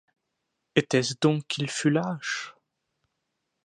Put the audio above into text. Était-ce donc qu’il fût lâche?